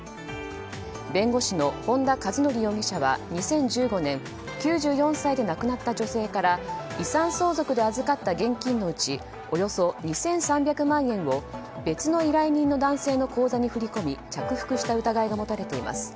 弁護士の本田一則容疑者は２０１５年９４歳で亡くなった女性から遺産相続で預かった現金のうちおよそ２３００万円を別の依頼人の男性の口座に振り込み着服した疑いが持たれています。